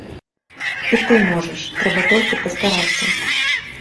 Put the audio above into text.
І ты можаш, трэба толькі пастарацца.